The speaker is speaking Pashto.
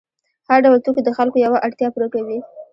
هر ډول توکي د خلکو یوه اړتیا پوره کوي.